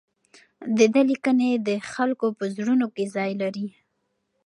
د ده لیکنې د خلکو په زړونو کې ځای لري.